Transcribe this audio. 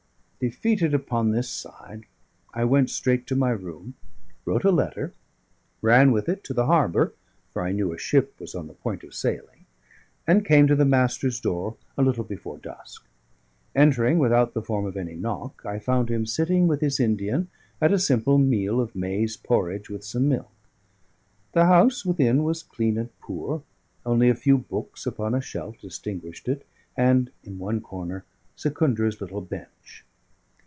Defeated upon this side, I went straight to my room, wrote a letter, ran with it to the harbour, for I knew a ship was on the point of sailing; and came to the Master's door a little before dusk. Entering without the form of any knock, I found him sitting with his Indian at a simple meal of maize porridge with some milk. The house within was clean and poor; only a few books upon a shelf distinguished it, and (in one corner) Secundra's little bench.